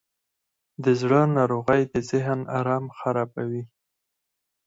د زړه ناروغۍ د ذهن آرام خرابوي.